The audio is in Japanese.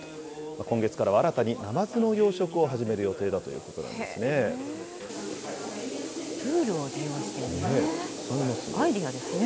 今月からは新たにナマズの養殖を始める予定だということなんですアイデアですね。